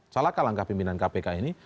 salah kalang kepimpinan kpk ini